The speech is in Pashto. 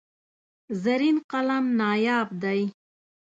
زرین قلم نایاب دی.